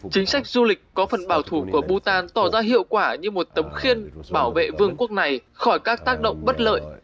chính sách du lịch có phần bảo thủ của bhutan tỏ ra hiệu quả như một tấm khiên bảo vệ vương quốc này khỏi các tác động bất lợi